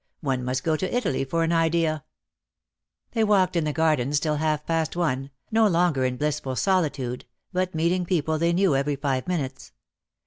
One must go to Italy for an idea," ... They walked in the gardens till half past one, no longer in blissful solitude, but meeting people they knew every five minutes.